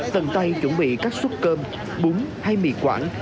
tầng tay chuẩn bị các suất cơm bún hay mì quảng